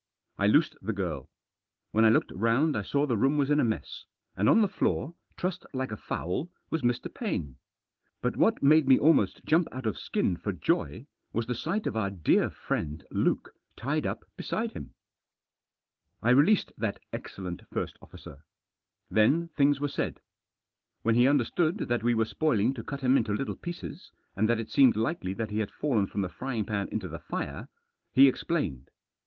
I loosed the girl. When I looked round I saw the room was in a mess, and on the floor, trussed like a fowl, was Mr. Paine. But what made me almost jump out of skin for joy, was the sight of our dear friend Luke tied up beside him. I released that excellent first officer. Then things were said. When he understood that we were spoiling to cut him up into little pieces, and that it seemed likely that he had fallen from the frying pan into the fire, he explained.